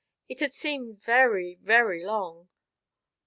It has seemed very very long.